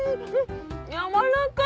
やわらかい。